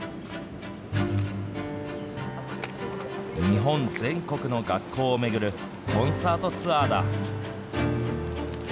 日本全国の学校を巡るコンサートツアーだ。